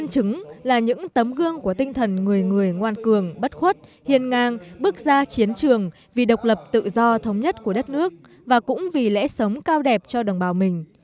chứng là những tấm gương của tinh thần người người ngoan cường bất khuất hiền ngang bước ra chiến trường vì độc lập tự do thống nhất của đất nước và cũng vì lẽ sống cao đẹp cho đồng bào mình